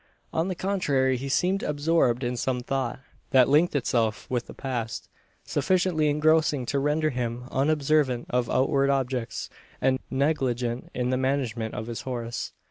On the contrary, he seemed absorbed in some thought, that linked itself with the past; sufficiently engrossing to render him unobservant of outward objects, and negligent in the management of his horse.